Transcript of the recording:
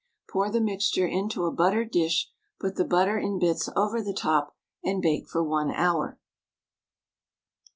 Pour the mixture into a buttered dish, put the butter in bits over the top, and bake for 1 hour.